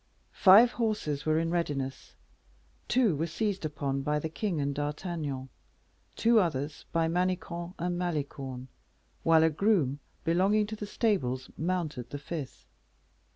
Five horses were in readiness. Two were seized upon by the king and D'Artagnan, two others by Manicamp and Malicorne, while a groom belonging to the stables mounted the fifth.